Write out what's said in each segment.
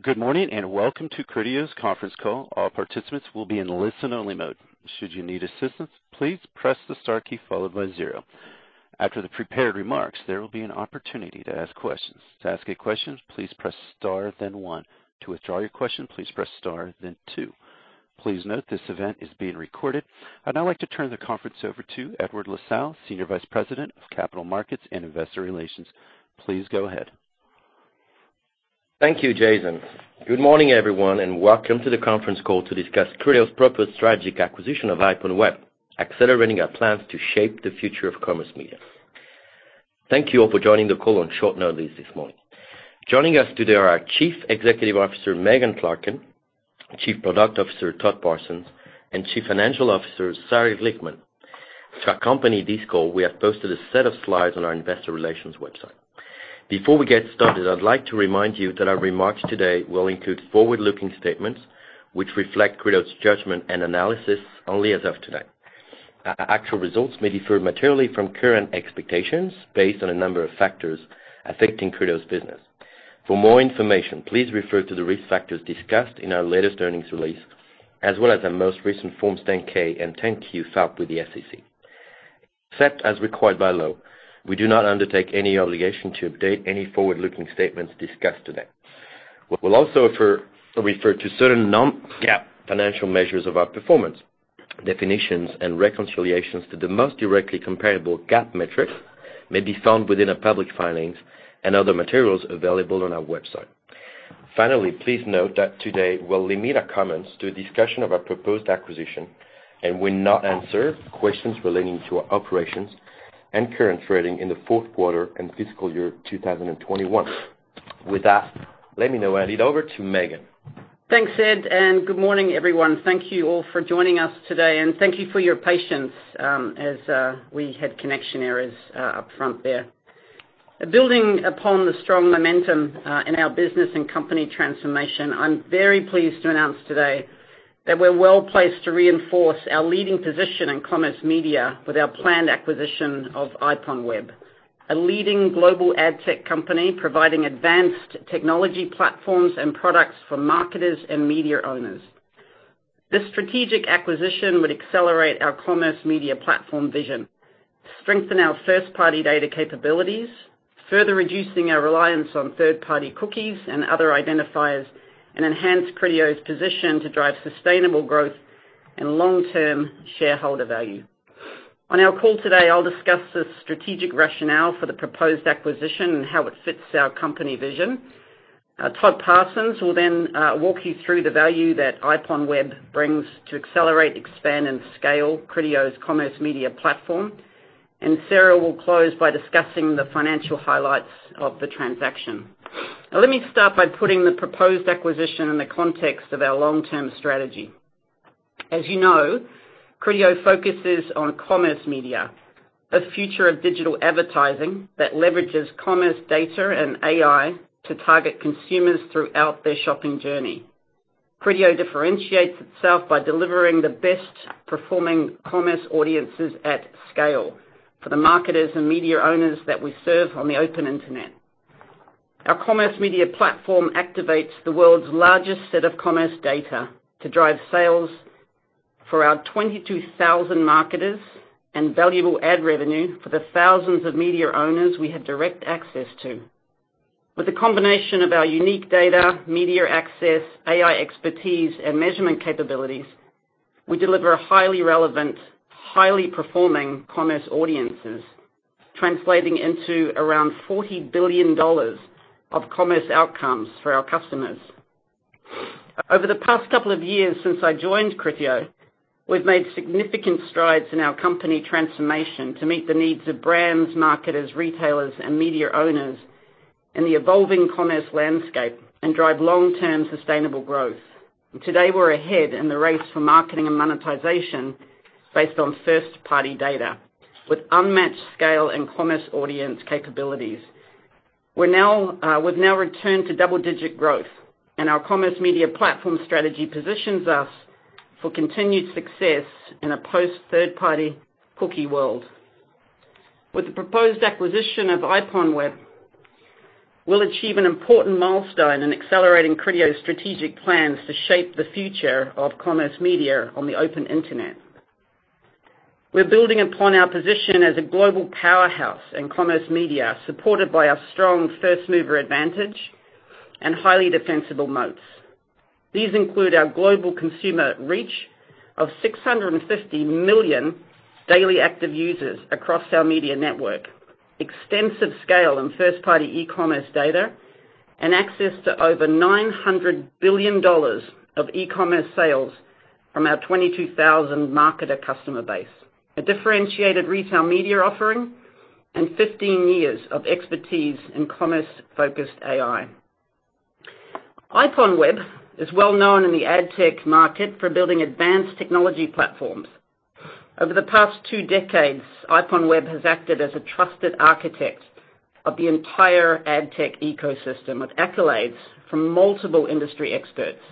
Good morning, and welcome to Criteo's Conference Call. All participants will be in listen-only mode. Should you need assistance, please press the star key followed by zero. After the prepared remarks, there will be an opportunity to ask questions. To ask a question, please press star then one. To withdraw your question, please press star then two. Please note this event is being recorded. I'd now like to turn the conference over to Edouard Lassalle, Senior Vice President of Capital Markets and Investor Relations. Please go ahead. Thank you, Jason. Good morning, everyone, and welcome to the conference call to discuss Criteo's proposed strategic acquisition of IPONWEB, accelerating our plans to shape the future of commerce media. Thank you all for joining the call on short notice this morning. Joining us today are our Chief Executive Officer, Megan Clarken, Chief Product Officer, Todd Parsons, and Chief Financial Officer, Sarah Glickman. To accompany this call, we have posted a set of slides on our investor relations website. Before we get started, I'd like to remind you that our remarks today will include forward-looking statements which reflect Criteo's judgment and analysis only as of today. Actual results may differ materially from current expectations based on a number of factors affecting Criteo's business. For more information, please refer to the risk factors discussed in our latest earnings release, as well as our most recent Forms 10-K and 10-Q filed with the SEC. Except as required by law, we do not undertake any obligation to update any forward-looking statements discussed today. We'll also refer to certain non-GAAP financial measures of our performance. Definitions and reconciliations to the most directly comparable GAAP metrics may be found within our public filings and other materials available on our website. Finally, please note that today we'll limit our comments to a discussion of our proposed acquisition and will not answer questions relating to our operations and current trading in the fourth quarter and fiscal year 2021. With that, let me now hand it over to Megan. Thanks, Ed, and good morning, everyone. Thank you all for joining us today, and thank you for your patience, as we had connection errors up front there. Building upon the strong momentum in our business and company transformation, I'm very pleased to announce today that we're well-placed to reinforce our leading position in commerce media with our planned acquisition of IPONWEB, a leading global ad tech company providing advanced technology platforms and products for marketers and media owners. This strategic acquisition would accelerate our commerce media platform vision, strengthen our first-party data capabilities, further reducing our reliance on third-party cookies and other identifiers, and enhance Criteo's position to drive sustainable growth and long-term shareholder value. On our call today, I'll discuss the strategic rationale for the proposed acquisition and how it fits our company vision. Todd Parsons will then walk you through the value that IPONWEB brings to accelerate, expand, and scale Criteo's Commerce Media Platform, and Sarah will close by discussing the financial highlights of the transaction. Now, let me start by putting the proposed acquisition in the context of our long-term strategy. As you know, Criteo focuses on commerce media, a future of digital advertising that leverages commerce data and AI to target consumers throughout their shopping journey. Criteo differentiates itself by delivering the best performing commerce audiences at scale for the marketers and media owners that we serve on the open internet. Our Commerce Media Platform activates the world's largest set of commerce data to drive sales for our 22,000 marketers and valuable ad revenue for the thousands of media owners we have direct access to. With a combination of our unique data, media access, AI expertise, and measurement capabilities, we deliver a highly relevant, highly performing commerce audiences, translating into around $40 billion of commerce outcomes for our customers. Over the past couple of years since I joined Criteo, we've made significant strides in our company transformation to meet the needs of brands, marketers, retailers, and media owners in the evolving commerce landscape and drive long-term sustainable growth. Today, we're ahead in the race for marketing and monetization based on first-party data with unmatched scale and commerce audience capabilities. We've now returned to double-digit growth, and our Commerce Media Platform strategy positions us for continued success in a post third-party cookie world. With the proposed acquisition of IPONWEB, we'll achieve an important milestone in accelerating Criteo's strategic plans to shape the future of commerce media on the open internet. We're building upon our position as a global powerhouse in commerce media, supported by our strong first-mover advantage and highly defensible moats. These include our global consumer reach of 650 million daily active users across our media network, extensive scale in first-party e-commerce data, and access to over $900 billion of e-commerce sales from our 22,000 marketer customer base, a differentiated retail media offering, and 15 years of expertise in commerce-focused AI. IPONWEB is well-known in the ad tech market for building advanced technology platforms. Over the past two decades, IPONWEB has acted as a trusted architect of the entire ad tech ecosystem with accolades from multiple industry experts.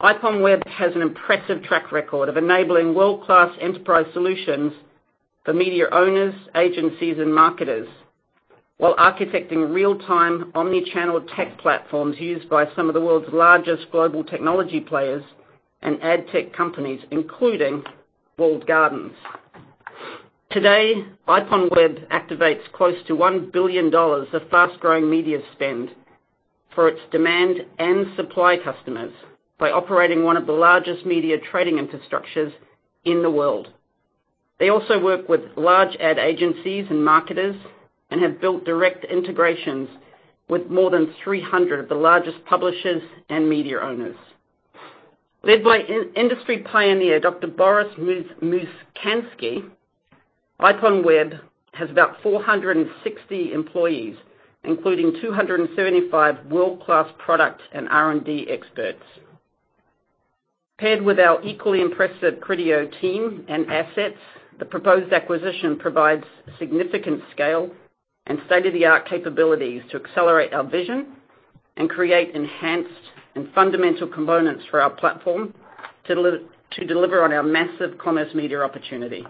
IPONWEB has an impressive track record of enabling world-class enterprise solutions for media owners, agencies, and marketers, while architecting real-time omni-channel tech platforms used by some of the world's largest global technology players and ad tech companies, including walled gardens. Today, IPONWEB activates close to $1 billion of fast-growing media spend for its demand and supply customers by operating one of the largest media trading infrastructures in the world. They also work with large ad agencies and marketers, and have built direct integrations with more than 300 of the largest publishers and media owners. Led by in-industry pioneer, Dr. Boris Mouzykantskii, IPONWEB has about 460 employees, including 275 world-class product and R&D experts. Paired with our equally impressive Criteo team and assets, the proposed acquisition provides significant scale and state-of-the-art capabilities to accelerate our vision and create enhanced and fundamental components for our platform to deliver on our massive commerce media opportunity.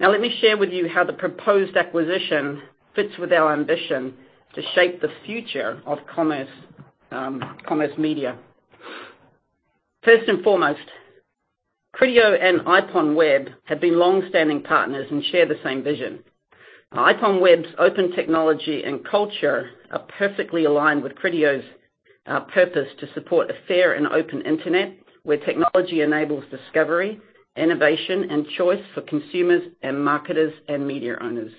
Now, let me share with you how the proposed acquisition fits with our ambition to shape the future of commerce media. First and foremost, Criteo and IPONWEB have been long-standing partners and share the same vision. IPONWEB's open technology and culture are perfectly aligned with Criteo's purpose to support a fair and open internet, where technology enables discovery, innovation, and choice for consumers and marketers and media owners.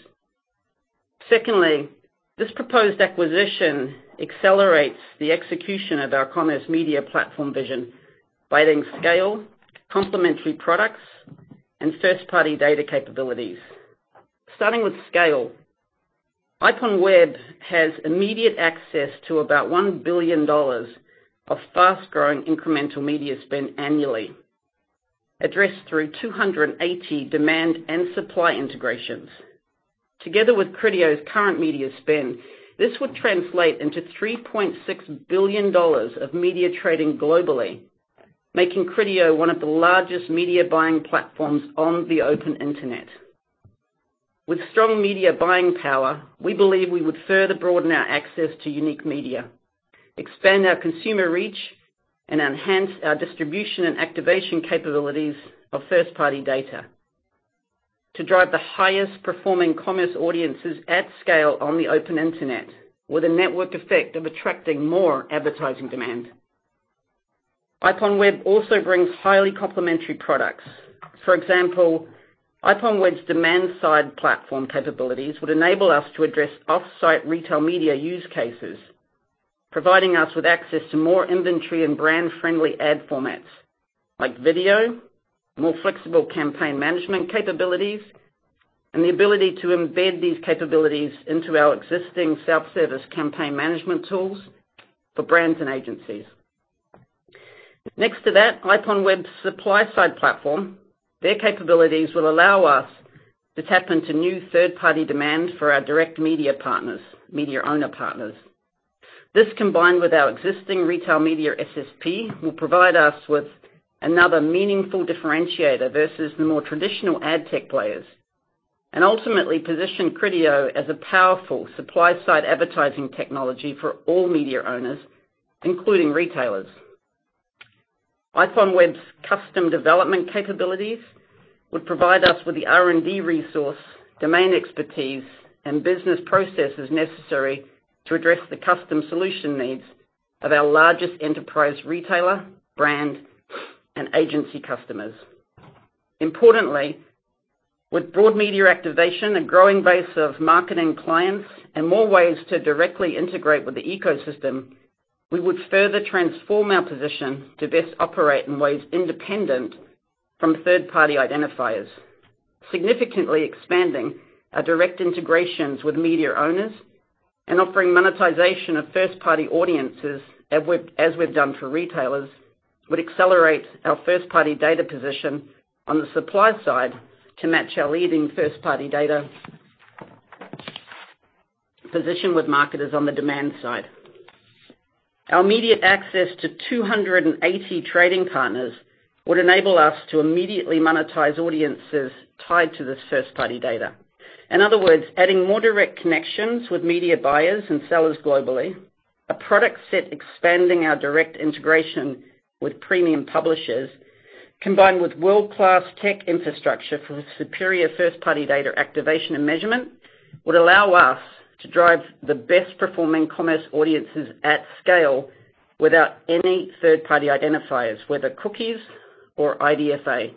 Secondly, this proposed acquisition accelerates the execution of our Commerce Media Platform vision by adding scale, complementary products, and first-party data capabilities. Starting with scale, IPONWEB has immediate access to about $1 billion of fast-growing incremental media spend annually, addressed through 280 demand and supply integrations. Together with Criteo's current media spend, this would translate into $3.6 billion of media trading globally, making Criteo one of the largest media buying platforms on the open internet. With strong media buying power, we believe we would further broaden our access to unique media, expand our consumer reach, and enhance our distribution and activation capabilities of first-party data to drive the highest performing commerce audiences at scale on the open internet with a networked effect of attracting more advertising demand. IPONWEB also brings highly complementary products. For example, IPONWEB's demand-side platform capabilities would enable us to address offsite retail media use cases, providing us with access to more inventory and brand-friendly ad formats like video, more flexible campaign management capabilities, and the ability to embed these capabilities into our existing self-service campaign management tools for brands and agencies. Next to that, IPONWEB's supply-side platform, their capabilities will allow us to tap into new third-party demand for our direct media partners, media owner partners. This, combined with our existing retail media SSP, will provide us with another meaningful differentiator versus the more traditional ad tech players, and ultimately position Criteo as a powerful supply-side advertising technology for all media owners, including retailers. IPONWEB's custom development capabilities would provide us with the R&D resource, domain expertise, and business processes necessary to address the custom solution needs of our largest enterprise retailer, brand, and agency customers. Importantly, with broad media activation and growing base of marketing clients, and more ways to directly integrate with the ecosystem, we would further transform our position to best operate in ways independent from third-party identifiers. Significantly expanding our direct integrations with media owners and offering monetization of first-party audiences as we've done for retailers, would accelerate our first-party data position on the supply side to match our leading first-party data position with marketers on the demand side. Our immediate access to 280 trading partners would enable us to immediately monetize audiences tied to this first-party data. In other words, adding more direct connections with media buyers and sellers globally. A product set expanding our direct integration with premium publishers, combined with world-class tech infrastructure for superior first-party data activation and measurement, would allow us to drive the best performing commerce audiences at scale without any third-party identifiers, whether cookies or IDFAs.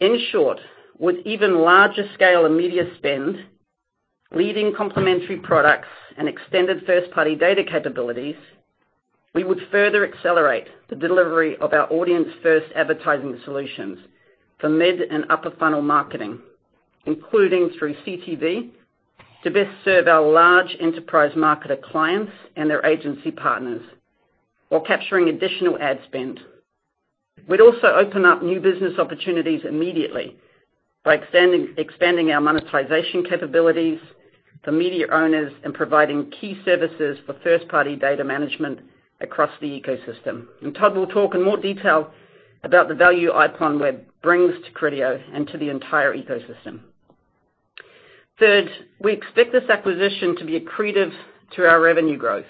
In short, with even larger scale and media spend, leading complementary products, and extended first-party data capabilities, we would further accelerate the delivery of our audience first advertising solutions for mid and upper funnel marketing, including through CTV to best serve our large enterprise marketer clients and their agency partners while capturing additional ad spend. We'd also open up new business opportunities immediately by expanding our monetization capabilities for media owners and providing key services for first-party data management across the ecosystem. Todd will talk in more detail about the value IPONWEB brings to Criteo and to the entire ecosystem. Third, we expect this acquisition to be accretive to our revenue growth,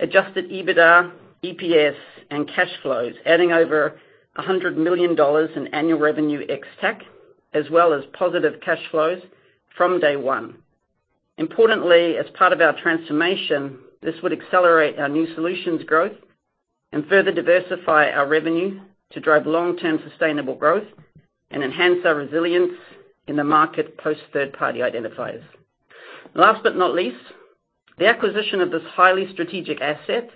adjusted EBITDA, EPS, and cash flows, adding over $100 million in annual revenue ex-TAC, as well as positive cash flows from day one. Importantly, as part of our transformation, this would accelerate our new solutions growth and further diversify our revenue to drive long-term sustainable growth and enhance our resilience in the market post third-party identifiers. Last but not least, the acquisition of this highly strategic asset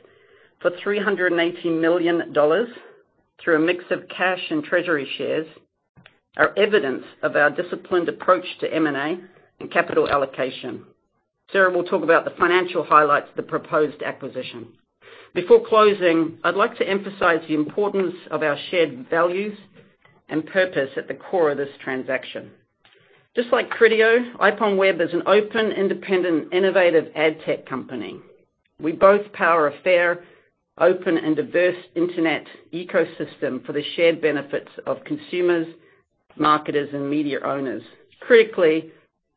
for $380 million through a mix of cash and treasury shares are evidence of our disciplined approach to M&A and capital allocation. Sarah will talk about the financial highlights of the proposed acquisition. Before closing, I'd like to emphasize the importance of our shared values and purpose at the core of this transaction. Just like Criteo, IPONWEB is an open, independent, innovative ad tech company. We both power a fair, open, and diverse internet ecosystem for the shared benefits of consumers, marketers, and media owners. Critically,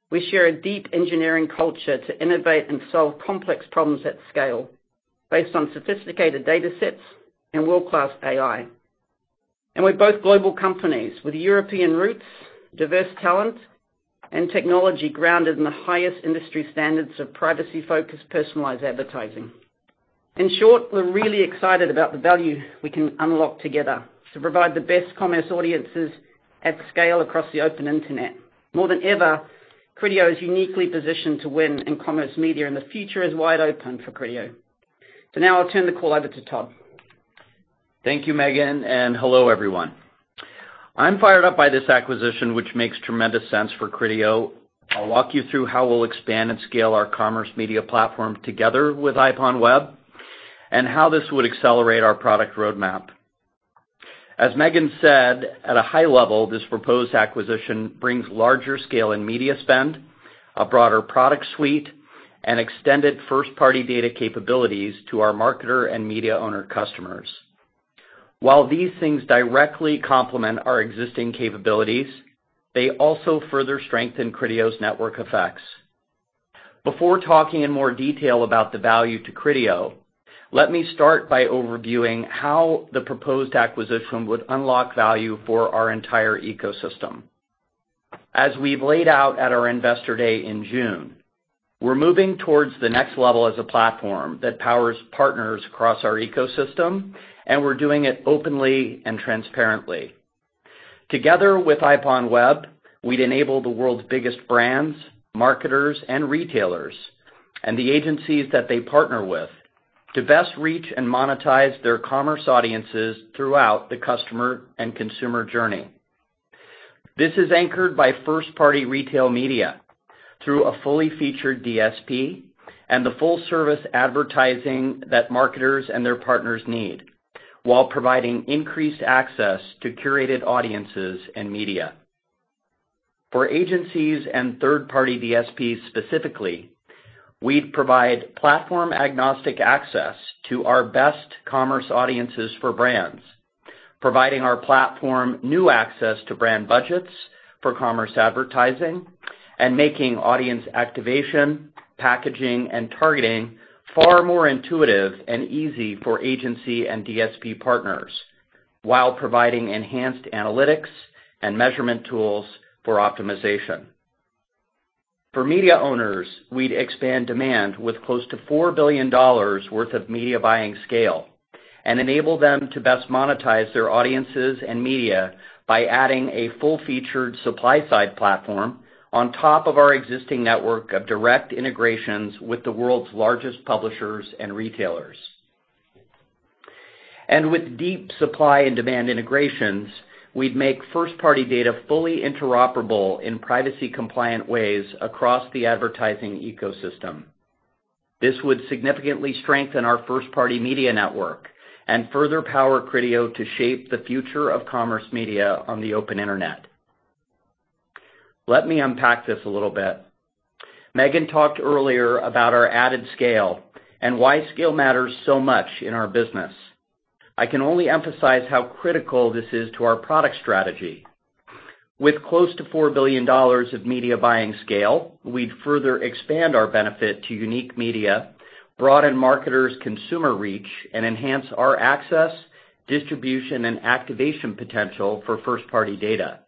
we share a deep engineering culture to innovate and solve complex problems at scale based on sophisticated datasets and world-class AI. We're both global companies with European roots, diverse talent, and technology grounded in the highest industry standards of privacy-focused, personalized advertising. In short, we're really excited about the value we can unlock together to provide the best commerce audiences at scale across the open internet. More than ever, Criteo is uniquely positioned to win in commerce media, and the future is wide open for Criteo. Now I'll turn the call over to Todd. Thank you, Megan, and hello everyone. I'm fired up by this acquisition, which makes tremendous sense for Criteo. I'll walk you through how we'll expand and scale our Commerce Media Platform together with IPONWEB and how this would accelerate our product roadmap. As Megan said, at a high level, this proposed acquisition brings larger scale in media spend, a broader product suite, and extended first-party data capabilities to our marketer and media owner customers. While these things directly complement our existing capabilities, they also further strengthen Criteo's network effects. Before talking in more detail about the value to Criteo, let me start by overviewing how the proposed acquisition would unlock value for our entire ecosystem. As we've laid out at our Investor Day in June, we're moving towards the next level as a platform that powers partners across our ecosystem, and we're doing it openly and transparently. Together with IPONWEB, we'd enable the world's biggest brands, marketers, and retailers, and the agencies that they partner with to best reach and monetize their commerce audiences throughout the customer and consumer journey. This is anchored by first-party retail media through a fully featured DSP and the full service advertising that marketers and their partners need while providing increased access to curated audiences and media. For agencies and third-party DSPs specifically, we'd provide platform-agnostic access to our best commerce audiences for brands, providing our platform new access to brand budgets for commerce advertising, and making audience activation, packaging, and targeting far more intuitive and easy for agency and DSP partners while providing enhanced analytics and measurement tools for optimization. For media owners, we'd expand demand with close to $4 billion worth of media buying scale and enable them to best monetize their audiences and media by adding a full-featured supply-side platform on top of our existing network of direct integrations with the world's largest publishers and retailers. With deep supply and demand integrations, we'd make first-party data fully interoperable in privacy compliant ways across the advertising ecosystem. This would significantly strengthen our first-party media network and further power Criteo to shape the future of commerce media on the open internet. Let me unpack this a little bit. Megan talked earlier about our added scale and why scale matters so much in our business. I can only emphasize how critical this is to our product strategy. With close to $4 billion of media buying scale, we'd further expand our benefit to unique media, broaden marketers' consumer reach, and enhance our access, distribution, and activation potential for first-party data.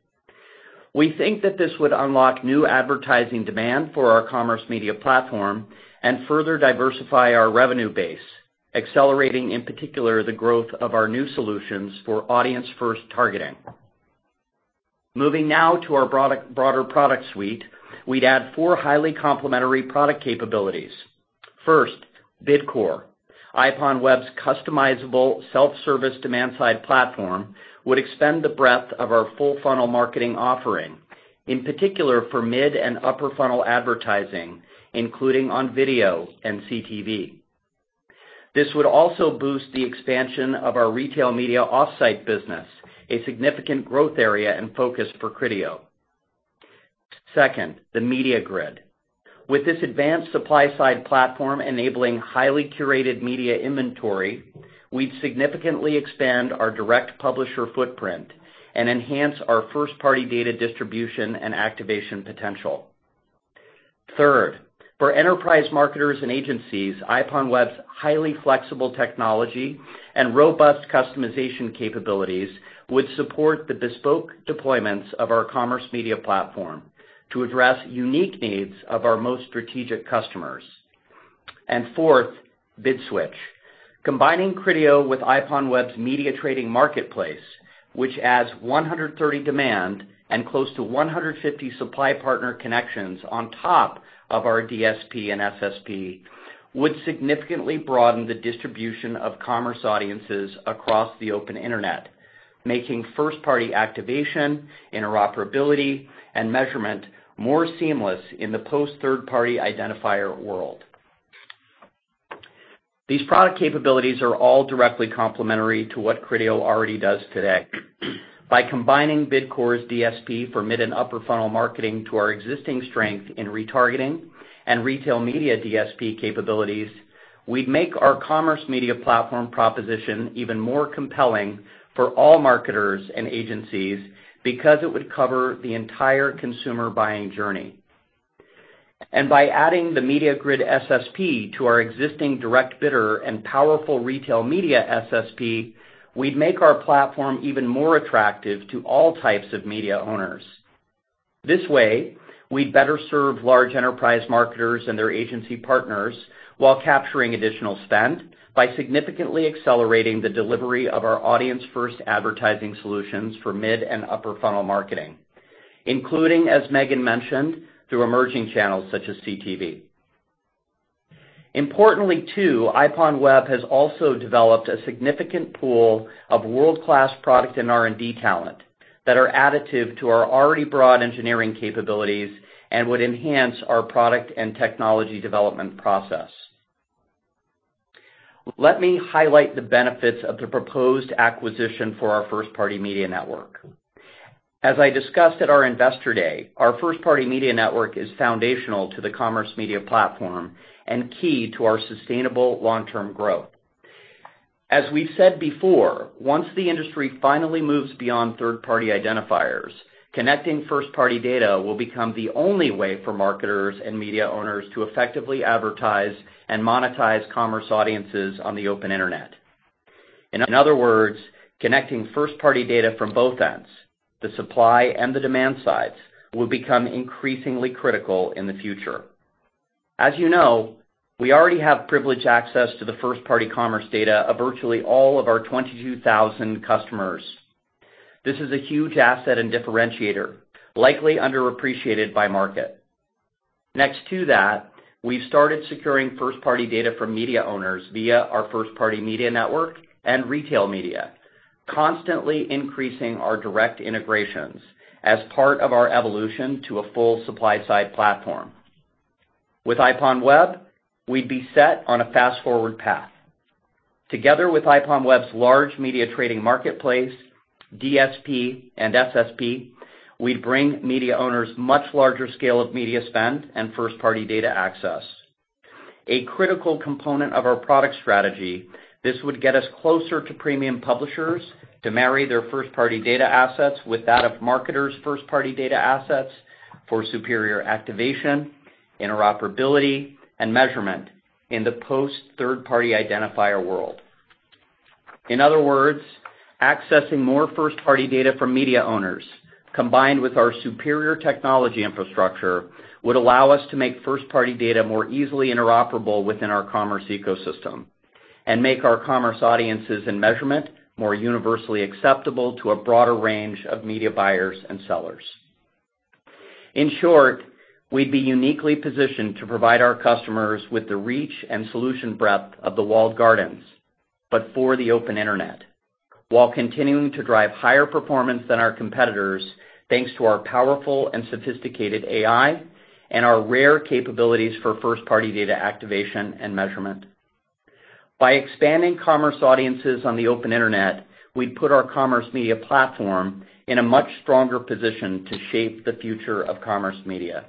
We think that this would unlock new advertising demand for our Commerce Media Platform and further diversify our revenue base, accelerating, in particular, the growth of our new solutions for audience first targeting. Moving now to our broader product suite, we'd add four highly complementary product capabilities. First, BidCore, IPONWEB's customizable self-service demand-side platform, would expand the breadth of our full funnel marketing offering. In particular for mid and upper funnel advertising, including on video and CTV. This would also boost the expansion of our retail media off-site business, a significant growth area and focus for Criteo. Second, The MediaGrid. With this advanced supply-side platform enabling highly curated media inventory, we'd significantly expand our direct publisher footprint and enhance our first-party data distribution and activation potential. Third, for enterprise marketers and agencies, IPONWEB's highly flexible technology and robust customization capabilities would support the bespoke deployments of our Commerce Media Platform to address unique needs of our most strategic customers. Fourth, BidSwitch. Combining Criteo with IPONWEB's media trading marketplace, which adds 130 demand and close to 150 supply partner connections on top of our DSP and SSP, would significantly broaden the distribution of commerce audiences across the open internet, making first-party activation, interoperability, and measurement more seamless in the post-third-party identifier world. These product capabilities are all directly complementary to what Criteo already does today. By combining BidCore's DSP for mid and upper funnel marketing to our existing strength in retargeting and retail media DSP capabilities, we'd make our Commerce Media Platform proposition even more compelling for all marketers and agencies because it would cover the entire consumer buying journey. By adding The MediaGrid SSP to our existing Direct Bidder and powerful retail media SSP, we'd make our platform even more attractive to all types of media owners. This way, we'd better serve large enterprise marketers and their agency partners while capturing additional spend by significantly accelerating the delivery of our audience first advertising solutions for mid and upper funnel marketing, including, as Megan mentioned, through emerging channels such as CTV. Importantly too, IPONWEB has also developed a significant pool of world-class product and R&D talent that are additive to our already broad engineering capabilities and would enhance our product and technology development process. Let me highlight the benefits of the proposed acquisition for our First-Party Media Network. As I discussed at our investor day, our First-Party Media Network is foundational to the Commerce Media Platform and key to our sustainable long-term growth. As we've said before, once the industry finally moves beyond third-party identifiers, connecting first-party data will become the only way for marketers and media owners to effectively advertise and monetize commerce audiences on the open internet. In other words, connecting first-party data from both ends, the supply and the demand sides, will become increasingly critical in the future. As you know, we already have privileged access to the first-party commerce data of virtually all of our 22,000 customers. This is a huge asset and differentiator, likely underappreciated by the market. Next to that, we've started securing first-party data from media owners via our First-Party Media Network and retail media, constantly increasing our direct integrations as part of our evolution to a full supply-side platform. With IPONWEB, we'd be set on a fast-forward path. Together with IPONWEB's large media trading marketplace, DSP, and SSP, we'd bring media owners much larger scale of media spend and first-party data access. A critical component of our product strategy, this would get us closer to premium publishers to marry their first-party data assets with that of marketers' first-party data assets for superior activation, interoperability, and measurement in the post-third-party identifier world. In other words, accessing more first-party data from media owners, combined with our superior technology infrastructure, would allow us to make first-party data more easily interoperable within our commerce ecosystem and make our commerce audiences and measurement more universally acceptable to a broader range of media buyers and sellers. In short, we'd be uniquely positioned to provide our customers with the reach and solution breadth of the walled gardens, but for the open internet, while continuing to drive higher performance than our competitors, thanks to our powerful and sophisticated AI and our rare capabilities for first-party data activation and measurement. By expanding commerce audiences on the open internet, we'd put our commerce media platform in a much stronger position to shape the future of commerce media.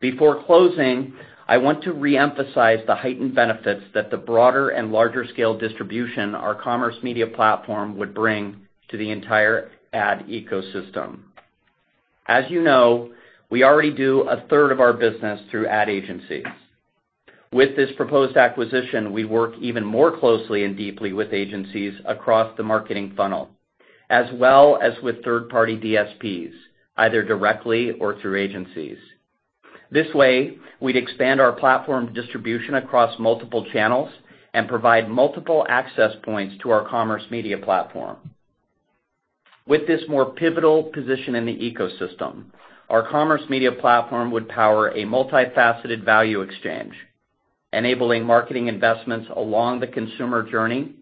Before closing, I want to re-emphasize the heightened benefits that the broader and larger scale distribution our Commerce Media Platform would bring to the entire ad ecosystem. As you know, we already do a third of our business through ad agencies. With this proposed acquisition, we work even more closely and deeply with agencies across the marketing funnel, as well as with third-party DSPs, either directly or through agencies. This way, we'd expand our platform distribution across multiple channels and provide multiple access points to our Commerce Media Platform. With this more pivotal position in the ecosystem, our Commerce Media Platform would power a multifaceted value exchange, enabling marketing investments along the consumer journey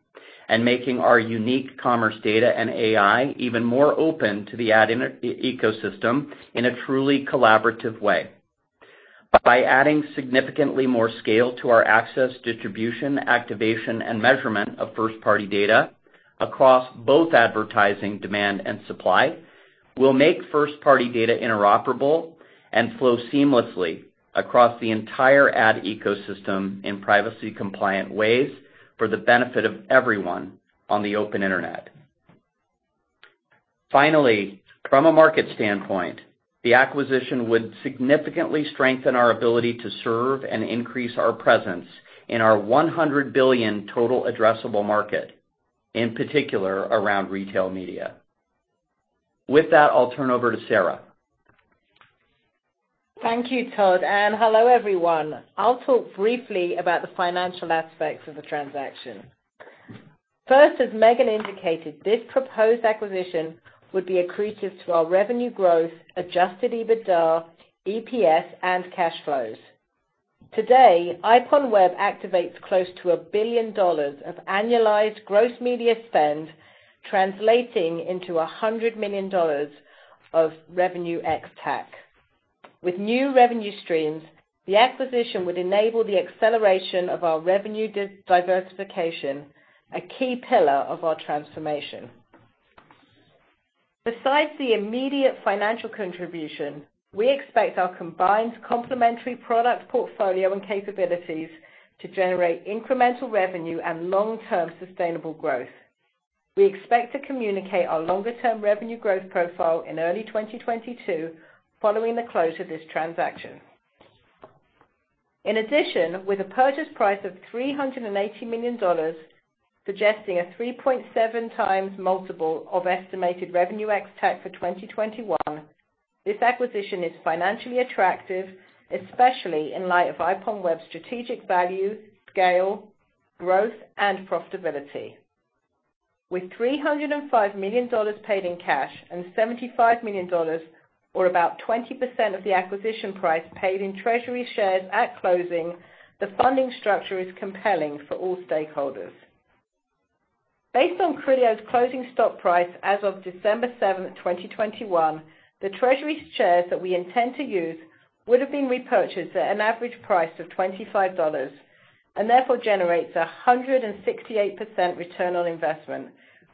and making our unique commerce data and AI even more open to the ad industry ecosystem in a truly collaborative way. By adding significantly more scale to our access, distribution, activation, and measurement of first-party data across both advertising demand and supply, we'll make first-party data interoperable and flow seamlessly across the entire ad ecosystem in privacy-compliant ways for the benefit of everyone on the open internet. Finally, from a market standpoint, the acquisition would significantly strengthen our ability to serve and increase our presence in our $100 billion total addressable market, in particular around retail media. With that, I'll turn over to Sarah. Thank you, Todd, and hello, everyone. I'll talk briefly about the financial aspects of the transaction. First, as Megan indicated, this proposed acquisition would be accretive to our revenue growth, adjusted EBITDA, EPS, and cash flows. Today, IPONWEB activates close to $1 billion of annualized gross media spend, translating into $100 million of Revenue ex-TAC. With new revenue streams, the acquisition would enable the acceleration of our revenue diversification, a key pillar of our transformation. Besides the immediate financial contribution, we expect our combined complementary product portfolio and capabilities to generate incremental revenue and long-term sustainable growth. We expect to communicate our longer-term revenue growth profile in early 2022 following the close of this transaction. In addition, with a purchase price of $380 million, suggesting a 3.7x multiple of estimated Revenue ex-TAC for 2021, this acquisition is financially attractive, especially in light of IPONWEB's strategic value, scale, growth, and profitability. With $305 million paid in cash and $75 million or about 20% of the acquisition price paid in treasury shares at closing, the funding structure is compelling for all stakeholders. Based on Criteo's closing stock price as of December 7th, 2021, the treasury shares that we intend to use would have been repurchased at an average price of $25, and therefore generates a 168% return on investment,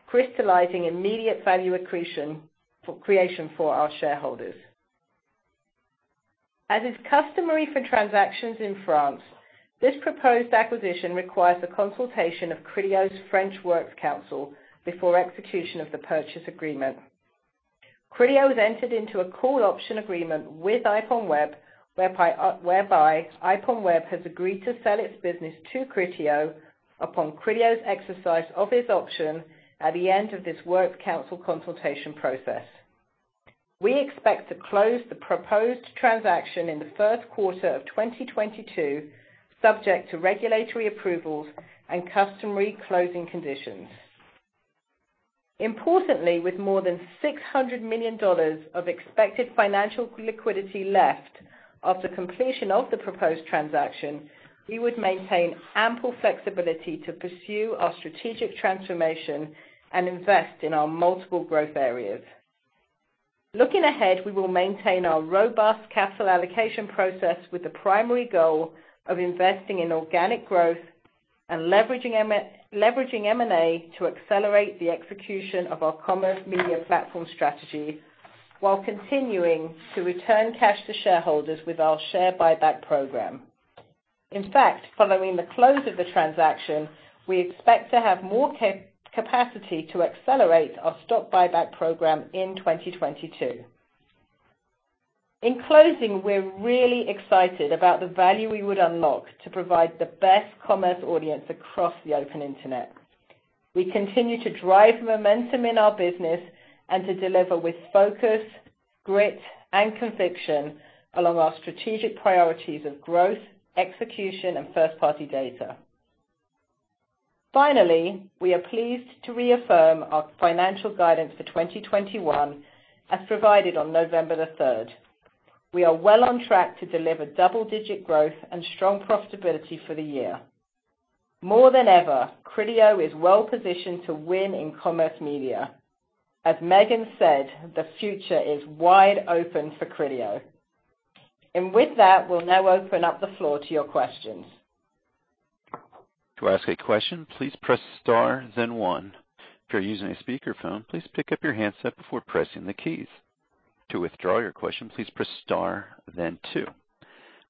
crystallizing immediate value creation for our shareholders. As is customary for transactions in France, this proposed acquisition requires the consultation of Criteo's French Works Council before execution of the purchase agreement. Criteo has entered into a call option agreement with IPONWEB, whereby IPONWEB has agreed to sell its business to Criteo upon Criteo's exercise of its option at the end of this Works Council consultation process. We expect to close the proposed transaction in the first quarter of 2022, subject to regulatory approvals and customary closing conditions. Importantly, with more than $600 million of expected financial liquidity left after completion of the proposed transaction, we would maintain ample flexibility to pursue our strategic transformation and invest in our multiple growth areas. Looking ahead, we will maintain our robust capital allocation process with the primary goal of investing in organic growth and leveraging M&A to accelerate the execution of our Commerce Media Platform strategy while continuing to return cash to shareholders with our share buyback program. In fact, following the close of the transaction, we expect to have more capacity to accelerate our stock buyback program in 2022. In closing, we're really excited about the value we would unlock to provide the best commerce audience across the open internet. We continue to drive momentum in our business and to deliver with focus, grit, and conviction along our strategic priorities of growth, execution, and first-party data. Finally, we are pleased to reaffirm our financial guidance for 2021 as provided on November 3rd. We are well on track to deliver double-digit growth and strong profitability for the year. More than ever, Criteo is well positioned to win in commerce media. As Megan said, "The future is wide open for Criteo." With that, we'll now open up the floor to your questions. To ask a question, please press star then one. If you're using a speakerphone, please pick up your handset before pressing the keys. To withdraw your question, please press star then two.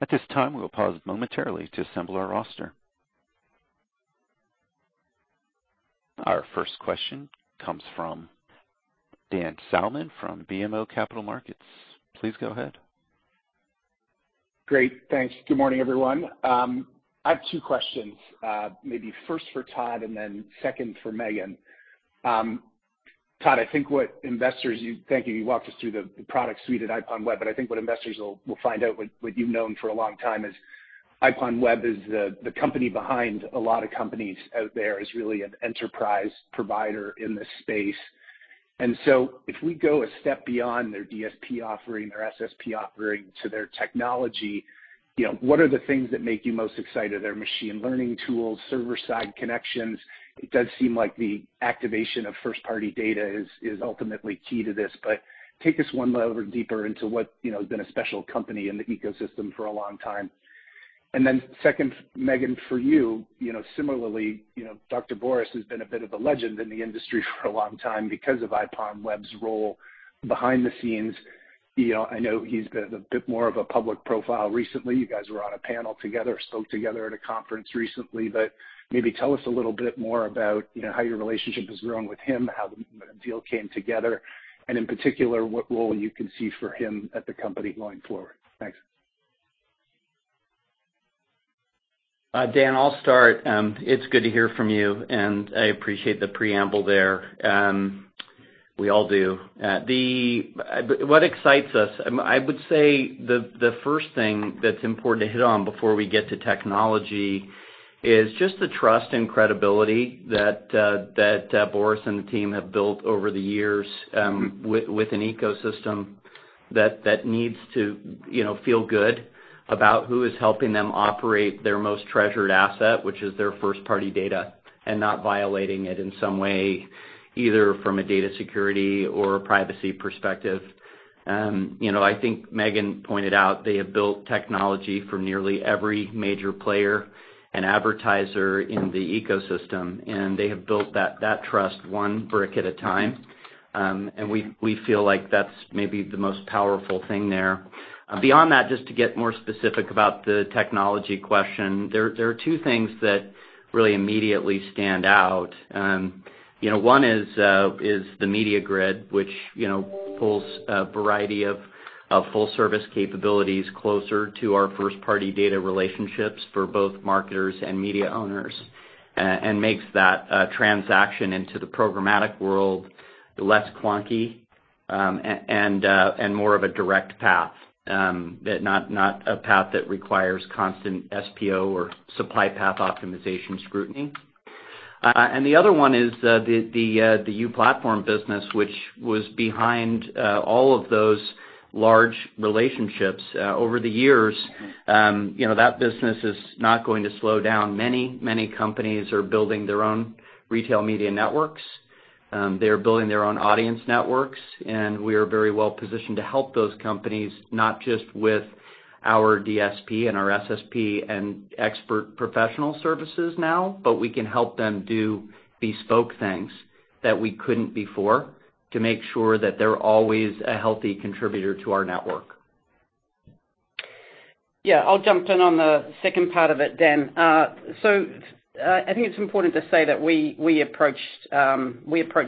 At this time, we will pause momentarily to assemble our roster. Our first question comes from Dan Salmon from BMO Capital Markets. Please go ahead. Great. Thanks. Good morning, everyone. I have two questions. Maybe first for Todd and then second for Megan. Todd, I think what investors – thank you walked us through the product suite at IPONWEB, and I think what investors will find out what you've known for a long time is IPONWEB is the company behind a lot of companies out there, is really an enterprise provider in this space. If we go a step beyond their DSP offering, their SSP offering to their technology, you know, what are the things that make you most excited? Their machine learning tools, server-side connections. It does seem like the activation of first-party data is ultimately key to this. Take us one level deeper into what you know has been a special company in the ecosystem for a long time. Second, Megan, for you know, similarly, you know, Dr. Boris has been a bit of a legend in the industry for a long time because of IPONWEB's role behind the scenes. You know, I know he's been a bit more of a public profile recently. You guys were on a panel together, spoke together at a conference recently, but maybe tell us a little bit more about, you know, how your relationship has grown with him, how the deal came together, and in particular, what role you can see for him at the company going forward. Thanks. Dan, I'll start. It's good to hear from you, and I appreciate the preamble there. We all do. What excites us, I would say the first thing that's important to hit on before we get to technology is just the trust and credibility that Boris and the team have built over the years with an ecosystem that needs to, you know, feel good about who is helping them operate their most treasured asset, which is their first-party data, and not violating it in some way, either from a data security or a privacy perspective. You know, I think Megan pointed out they have built technology for nearly every major player and advertiser in the ecosystem, and they have built that trust one brick at a time. We feel like that's maybe the most powerful thing there. Beyond that, just to get more specific about the technology question, there are two things that really immediately stand out. You know, one is the MediaGrid, which pulls a variety of full service capabilities closer to our first-party data relationships for both marketers and media owners, and makes that transaction into the programmatic world less clunky, and more of a direct path, that's not a path that requires constant SPO or supply path optimization scrutiny. The other one is the u-Platform business, which was behind all of those large relationships over the years. You know, that business is not going to slow down. Many, many companies are building their own retail media networks. They're building their own audience networks, and we are very well positioned to help those companies, not just with our DSP and our SSP and expert professional services now, but we can help them do bespoke things that we couldn't before to make sure that they're always a healthy contributor to our network. Yeah, I'll jump in on the second part of it, Dan. So, I think it's important to say that we approached them for,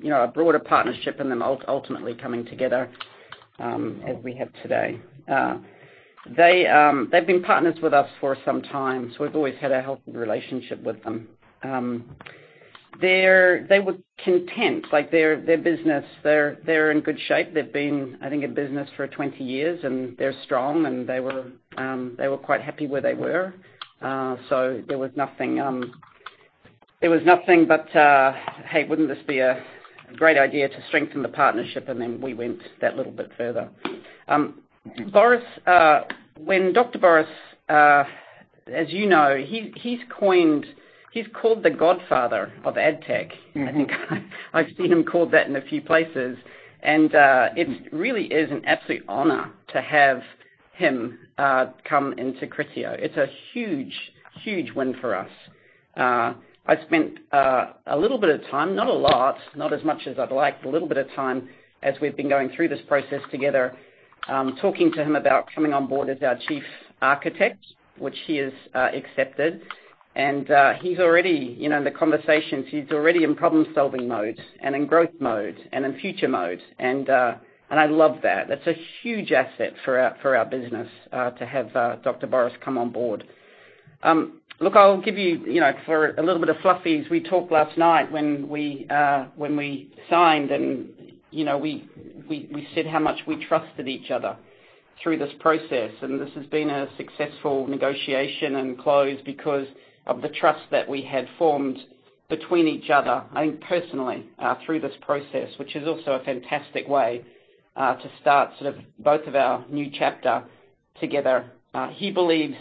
you know, a broader partnership and then ultimately coming together as we have today. They've been partners with us for some time, so we've always had a healthy relationship with them. They were content, like their business, they're in good shape. They've been, I think, in business for 20 years, and they're strong, and they were quite happy where they were. So there was nothing but "Hey, wouldn't this be a great idea to strengthen the partnership?" Then we went that little bit further. Boris, when Dr. Boris, as you know, he's called the godfather of ad tech. Mm-hmm. I think I've seen him called that in a few places, and it really is an absolute honor to have him come into Criteo. It's a huge win for us. I spent a little bit of time, not a lot, not as much as I'd like, but a little bit of time as we've been going through this process together, talking to him about coming on board as our Chief Architect, which he has accepted. He's already, you know, in the conversations, he's already in problem-solving mode and in growth mode and in future mode. I love that. That's a huge asset for our business to have Dr. Boris come on board. Look, I'll give you know, for a little bit of fluffiness. We talked last night when we signed and, you know, we said how much we trusted each other through this process. This has been a successful negotiation and close because of the trust that we had formed between each other, I think personally, through this process, which is also a fantastic way to start sort of both of our new chapter together. He believes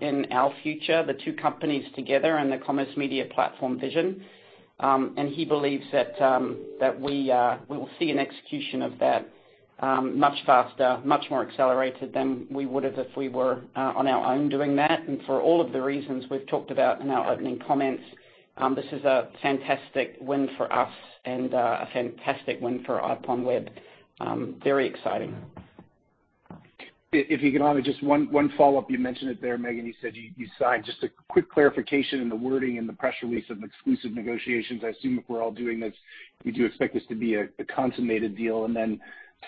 in our future, the two companies together and the Commerce Media Platform vision. He believes that we will see an execution of that much faster, much more accelerated than we would have if we were on our own doing that. For all of the reasons we've talked about in our opening comments, this is a fantastic win for us and a fantastic win for IPONWEB. Very exciting. If you can honor just one follow-up, you mentioned it there, Megan. You said you signed. Just a quick clarification in the wording in the press release of exclusive negotiations. I assume if we're all doing this, we do expect this to be a consummated deal. Then,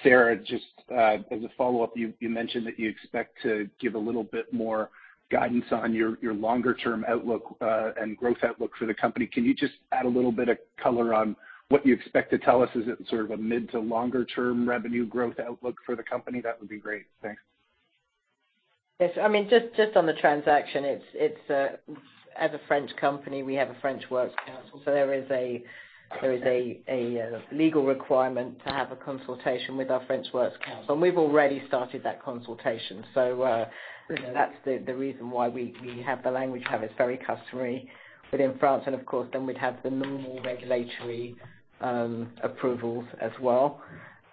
Sarah, just as a follow-up, you mentioned that you expect to give a little bit more guidance on your longer-term outlook and growth outlook for the company. Can you just add a little bit of color on what you expect to tell us? Is it sort of a mid to longer-term revenue growth outlook for the company? That would be great. Thanks. Yes. I mean, just on the transaction, it's as a French company, we have a French Works Council. So there is a legal requirement to have a consultation with our French Works Council, and we've already started that consultation. So you know, that's the reason why we have the language, how it's very customary within France. Of course, then we'd have the normal regulatory approvals as well.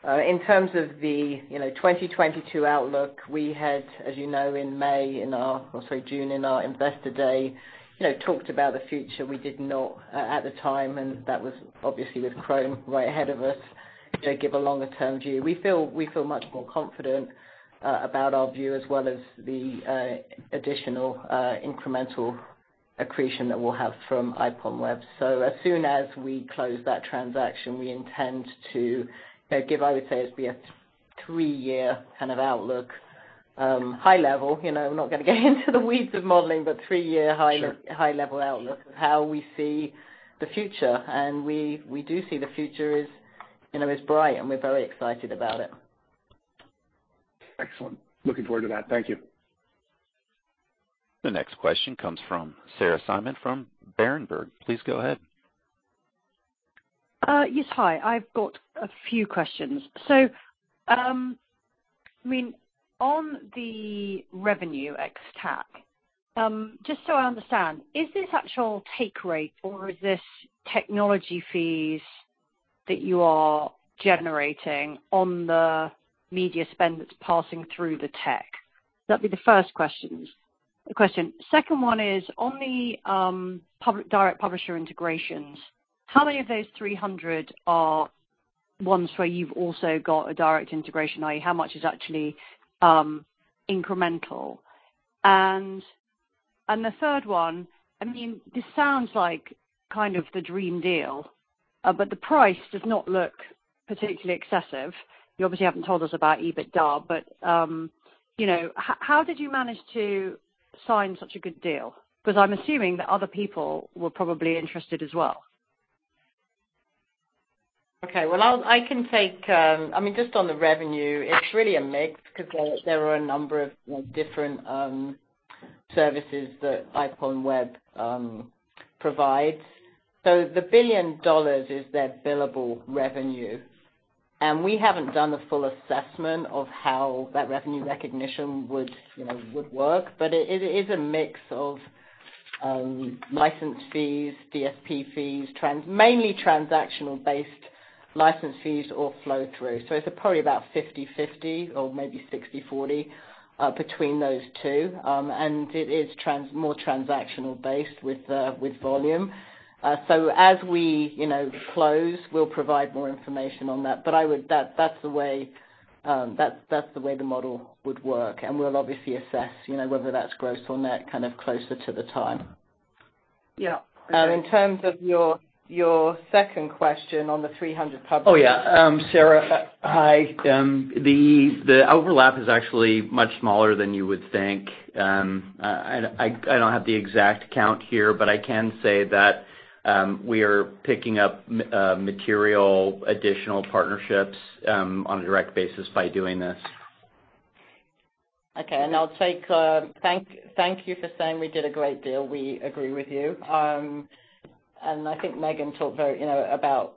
In terms of the 2022 outlook, we had, as you know, in May, or sorry, June, in our Investor Day, you know, talked about the future. We did not at the time, and that was obviously with Chrome right ahead of us, to give a longer-term view. We feel much more confident about our view as well as the additional incremental accretion that we'll have from IPONWEB. As soon as we close that transaction, we intend to give. I would say it'd be a three-year kind of outlook, high level. You know, I'm not gonna get into the weeds of modeling, but three-year high- Sure... high-level outlook of how we see the future. We do see the future is, you know, bright, and we're very excited about it. Excellent. Looking forward to that. Thank you. The next question comes from Sarah Simon from Berenberg. Please go ahead. Yes. Hi. I've got a few questions. I mean, on the revenue ex-TAC, just so I understand, is this actual take rate or is this technology fees that you are generating on the media spend that's passing through the tech? That'd be the first question. Second one is, on the public direct publisher integrations, how many of those 300 are ones where you've also got a direct integration? How much is actually incremental? And the third one, I mean, this sounds like kind of the dream deal, but the price does not look particularly excessive. You obviously haven't told us about EBITDA, but you know, how did you manage to sign such a good deal? Because I'm assuming that other people were probably interested as well. Okay. Well, I can take. I mean, just on the revenue, it's really a mix because there are a number of, like, different services that IPONWEB provides. The $1 billion is their billable revenue. We haven't done a full assessment of how that revenue recognition would, you know, work. It is a mix of license fees, DSP fees, mainly transactional-based license fees or flow through. It's probably about 50/50 or maybe 60/40 between those two. And it is more transactional based with volume. So as we, you know, close, we'll provide more information on that. That's the way the model would work. We'll obviously assess, you know, whether that's gross or net kind of closer to the time. Yeah. In terms of your second question on the 300 publishers. Oh, yeah. Sarah, hi. The overlap is actually much smaller than you would think. I don't have the exact count here, but I can say that we are picking up material additional partnerships on a direct basis by doing this. Okay. Thank you for saying we did a great deal. We agree with you. I think Megan talked very, you know, about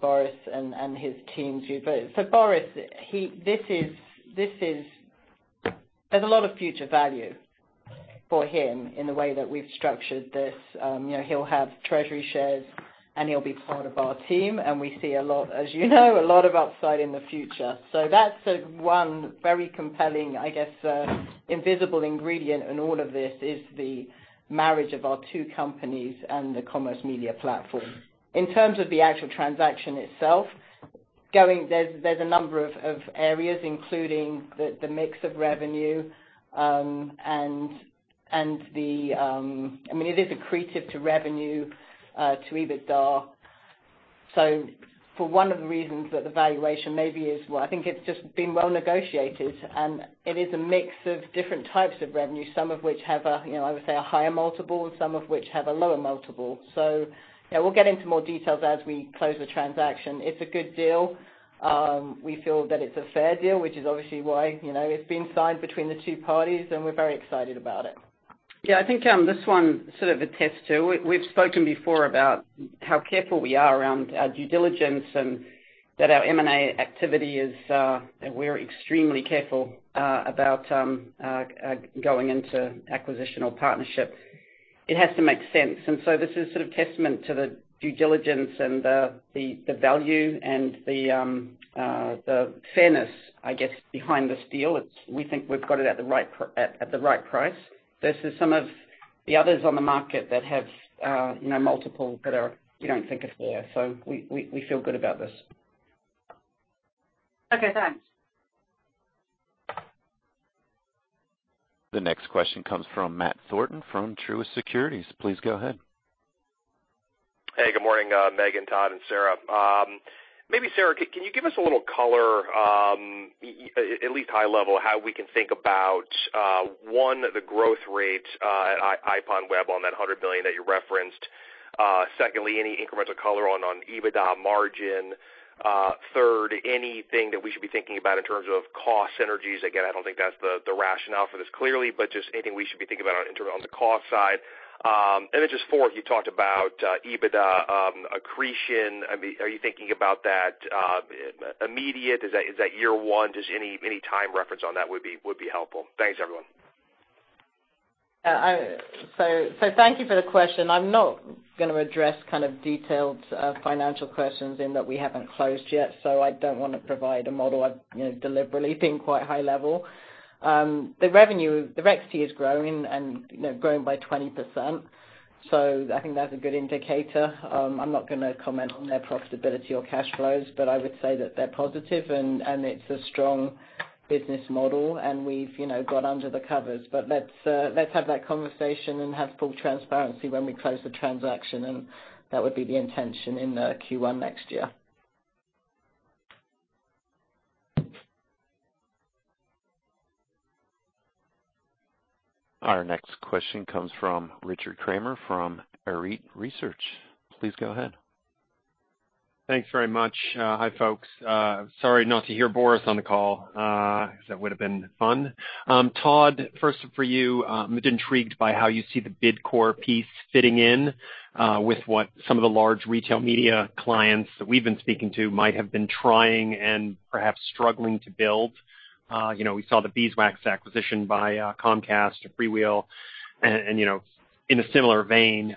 Boris and his team too. Boris, this is. There's a lot of future value for him in the way that we've structured this. You know, he'll have treasury shares, and he'll be part of our team, and we see a lot, as you know, a lot of upside in the future. That's one very compelling, I guess, invisible ingredient in all of this, is the marriage of our two companies and the Commerce Media Platform. In terms of the actual transaction itself, there's a number of areas, including the mix of revenue and the. I mean, it is accretive to revenue to EBITDA. For one of the reasons that the valuation maybe is what, I think it's just been well negotiated, and it is a mix of different types of revenue, some of which have a, you know, I would say a higher multiple and some of which have a lower multiple. Yeah, we'll get into more details as we close the transaction. It's a good deal. We feel that it's a fair deal, which is obviously why, you know, it's been signed between the two parties, and we're very excited about it. Yeah. We've spoken before about how careful we are around our due diligence and that our M&A activity is. We're extremely careful about going into acquisition or partnership. It has to make sense. This is sort of testament to the due diligence and the value and the fairness, I guess, behind this deal. We think we've got it at the right price versus some of the others on the market that have, you know, multiples that we don't think are fair. We feel good about this. Okay. Thanks. The next question comes from Matt Thornton from Truist Securities. Please go ahead. Hey, good morning, Megan, Todd, and Sarah. Maybe Sarah, can you give us a little color, at least high level, how we can think about, one, the growth rate, at IPONWEB on that $100 million that you referenced. Second, any incremental color on EBITDA margin. Third, anything that we should be thinking about in terms of cost synergies. Again, I don't think that's the rationale for this clearly, but just anything we should be thinking about in terms of the cost side. Then just fourth, you talked about EBITDA accretion. I mean, are you thinking about that immediate? Is that year one? Just any time reference on that would be helpful. Thanks, everyone. Thank you for the question. I'm not gonna address kind of detailed financial questions given that we haven't closed yet, so I don't wanna provide a model. I've you know deliberately been quite high level. The Revenue ex-TAC is growing and you know growing by 20%. I think that's a good indicator. I'm not gonna comment on their profitability or cash flows, but I would say that they're positive and it's a strong business model and we've you know got under the covers. Let's have that conversation and have full transparency when we close the transaction, and that would be the intention in Q1 next year. Our next question comes from Richard Kramer from Arete Research. Please go ahead. Thanks very much. Hi, folks. Sorry not to hear Boris on the call, because that would have been fun. Todd, first for you, just intrigued by how you see the BidCore piece fitting in, with what some of the large retail media clients that we've been speaking to might have been trying and perhaps struggling to build. You know, we saw the Beeswax acquisition by Comcast or FreeWheel. You know, in a similar vein,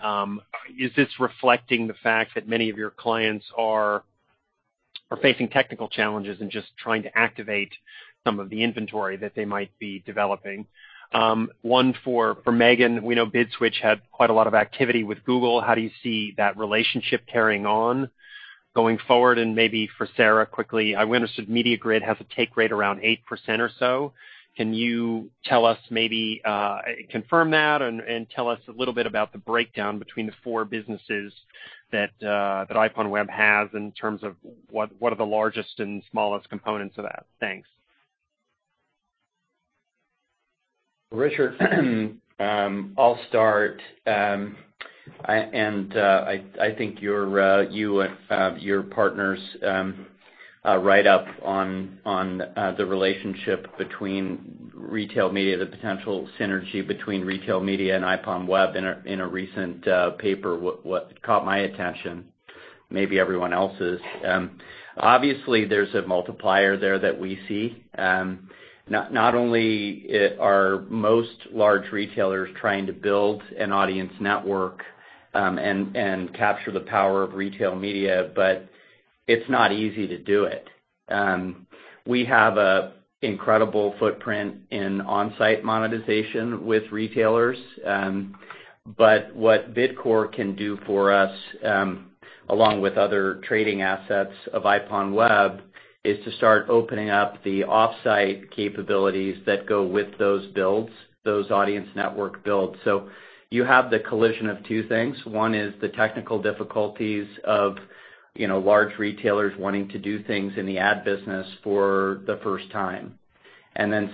is this reflecting the fact that many of your clients are facing technical challenges and just trying to activate some of the inventory that they might be developing? One for Megan. We know BidSwitch had quite a lot of activity with Google. How do you see that relationship carrying on going forward? Maybe for Sarah quickly, I understood The MediaGrid has a take rate around 8% or so. Can you tell us, maybe, confirm that and tell us a little bit about the breakdown between the four businesses that that IPONWEB has in terms of what are the largest and smallest components of that? Thanks. Richard, I'll start. I think you and your partners write up on the relationship between retail media, the potential synergy between retail media and IPONWEB in a recent paper what caught my attention, maybe everyone else's. Obviously, there's a multiplier there that we see. Not only are most large retailers trying to build an audience network and capture the power of retail media, but it's not easy to do it. We have an incredible footprint in on-site monetization with retailers, but what BidCore can do for us, along with other trading assets of IPONWEB, is to start opening up the off-site capabilities that go with those builds, those audience network builds. You have the collision of two things. One is the technical difficulties of, you know, large retailers wanting to do things in the ad business for the first time.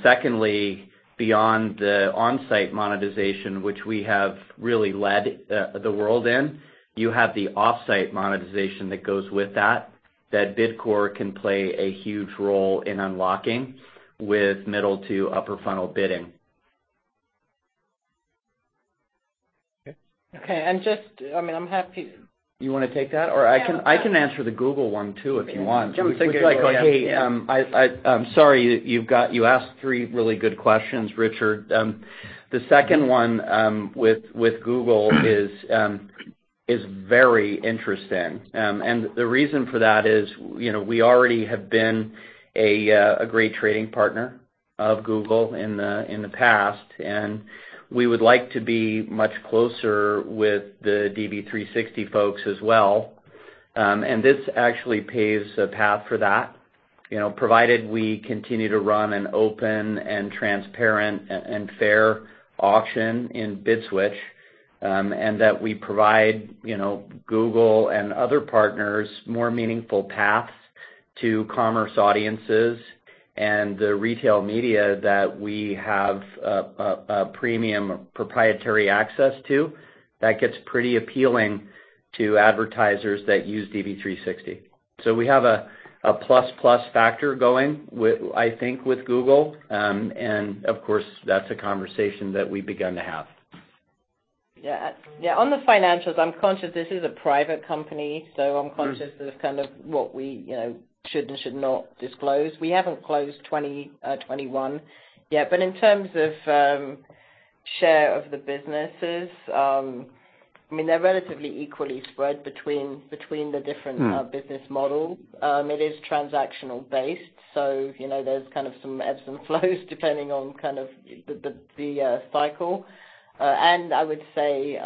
Secondly, beyond the on-site monetization, which we have really led, the world in, you have the off-site monetization that goes with that BidCore can play a huge role in unlocking with middle to upper funnel bidding. Okay. I mean, I'm happy- You wanna take that? Or I can answer the Google one too, if you want. Jump in. Sorry, you asked three really good questions, Richard. The second one with Google is very interesting. The reason for that is, you know, we already have been a great trading partner of Google in the past, and we would like to be much closer with the DV360 folks as well. This actually paves a path for that, you know, provided we continue to run an open and transparent and fair auction in BidSwitch, and that we provide, you know, Google and other partners more meaningful paths to commerce audiences and the retail media that we have a premium proprietary access to, that gets pretty appealing to advertisers that use DV360. We have a plus plus factor going with, I think, with Google. Of course, that's a conversation that we've begun to have. Yeah. Yeah. On the financials, I'm conscious this is a private company, so I'm conscious of kind of what we, you know, should and should not disclose. We haven't closed 2021 yet. In terms of share of the businesses, I mean, they're relatively equally spread between the different- Mm. Business models. It is transactional based, so you know, there's kind of some ebbs and flows depending on kind of the cycle. I would say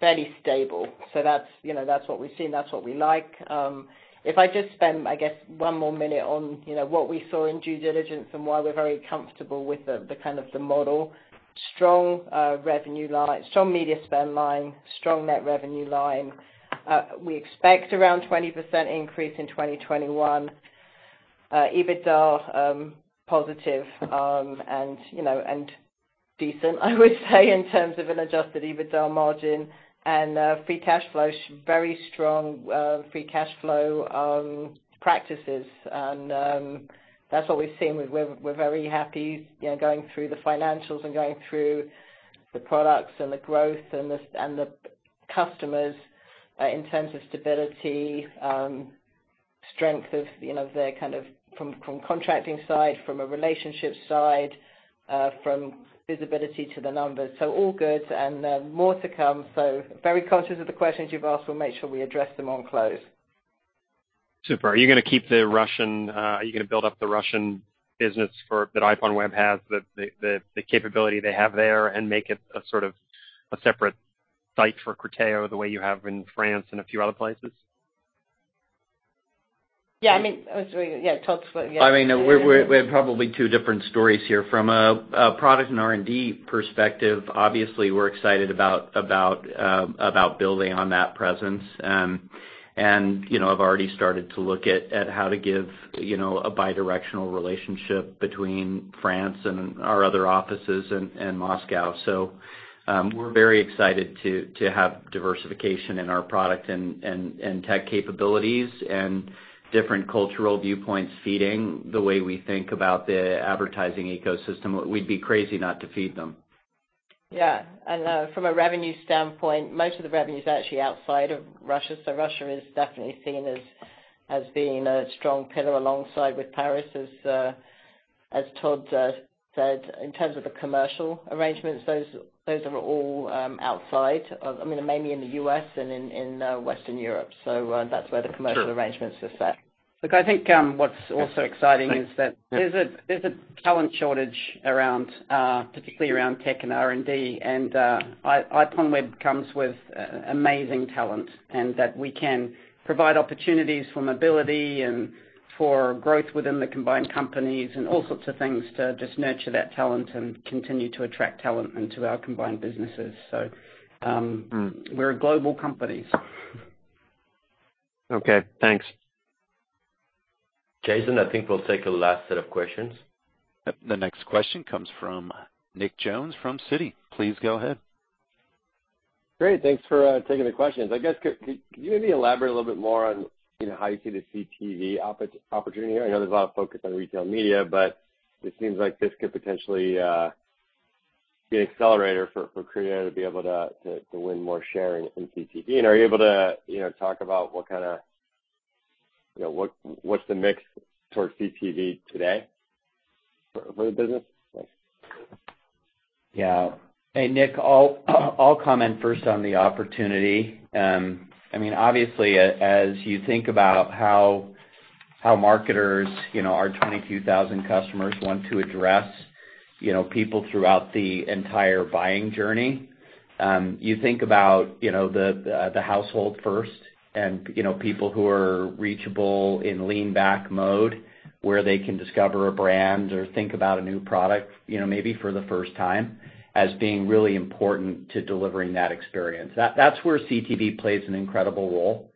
fairly stable. That's what we've seen. That's what we like. If I just spend, I guess, one more minute on you know, what we saw in due diligence and why we're very comfortable with the kind of model. Strong revenue line, strong media spend line, strong net revenue line. We expect around 20% increase in 2021. EBITDA positive and decent, I would say, in terms of an adjusted EBITDA margin and free cash flow very strong, free cash flow practices and that's what we've seen. We're very happy, you know, going through the financials and going through the products and the growth and the customers, in terms of stability, strength of, you know, the kind of from contracting side, from a relationship side, from visibility to the numbers. All good and, more to come. Very conscious of the questions you've asked. We'll make sure we address them on close. Super. Are you gonna build up the Russian business that IPONWEB has, the capability they have there and make it a sort of a separate site for Criteo the way you have in France and a few other places? Yeah, I mean, as we. Yeah, Todd's I mean, we have probably two different stories here. From a product and R&D perspective, obviously we're excited about building on that presence. You know, I've already started to look at how to give you know, a bidirectional relationship between France and our other offices in Moscow. We're very excited to have diversification in our product and tech capabilities and different cultural viewpoints feeding the way we think about the advertising ecosystem. We'd be crazy not to feed them. Yeah. From a revenue standpoint, most of the revenue is actually outside of Russia, so Russia is definitely seen as being a strong pillar alongside with Paris, as Todd said. In terms of the commercial arrangements, those are all outside of I mean, mainly in the U.S. and in Western Europe. That's where the commercial Sure. Arrangements are set. Look, I think, what's also exciting is that there's a talent shortage around, particularly around tech and R&D, and IPONWEB comes with amazing talent, and that we can provide opportunities for mobility and for growth within the combined companies and all sorts of things to just nurture that talent and continue to attract talent into our combined businesses. So Mm. We're a global company. Okay, thanks. Jason, I think we'll take a last set of questions. The next question comes from Nick Jones from Citi. Please go ahead. Great. Thanks for taking the questions. I guess, can you maybe elaborate a little bit more on, you know, how you see the CTV opportunity? I know there's a lot of focus on retail media, but it seems like this could potentially be an accelerator for Criteo to be able to win more share in CTV. Are you able to, you know, talk about what kinda, you know, what's the mix towards CTV today for the business? Thanks. Yeah. Hey, Nick, I'll comment first on the opportunity. I mean, obviously, as you think about how marketers, you know, our 22,000 customers want to address, you know, people throughout the entire buying journey, you think about, you know, the household first and, you know, people who are reachable in lean back mode, where they can discover a brand or think about a new product, you know, maybe for the first time, as being really important to delivering that experience. That's where CTV plays an incredible role.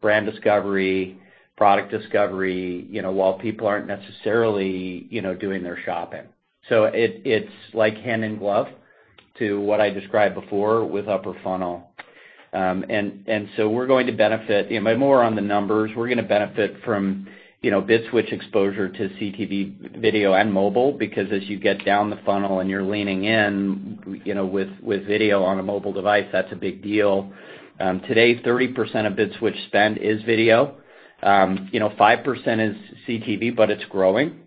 Brand discovery, product discovery, you know, while people aren't necessarily, you know, doing their shopping. It's like hand in glove to what I described before with upper funnel, and we're going to benefit. You know, more on the numbers, we're gonna benefit from, you know, BidSwitch exposure to CTV video and mobile because as you get down the funnel and you're leaning in, you know, with video on a mobile device, that's a big deal. Today, 30% of BidSwitch spend is video. You know, 5% is CTV, but it's growing.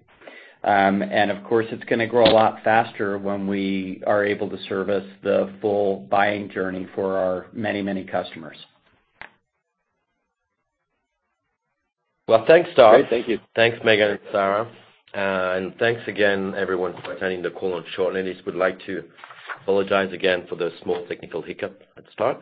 Of course, it's gonna grow a lot faster when we are able to service the full buying journey for our many, many customers. Well, thanks, Todd. Great. Thank you. Thanks, Megan and Sarah. Thanks again everyone for attending the call on short notice. I would like to apologize again for the small technical hiccup at the start.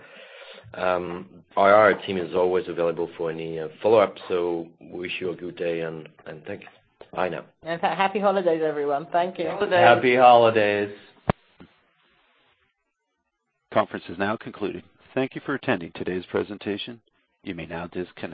Our team is always available for any follow-up, so we wish you a good day and thank you. Bye now. In fact, happy holidays, everyone. Thank you. Happy holidays. Happy holidays. Conference is now concluded. Thank you for attending today's presentation. You may now disconnect.